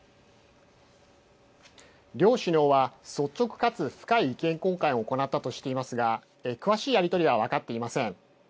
両首脳は率直かつ深い意見交換を行ったとしていますが詳しいやりとりは分かっていません。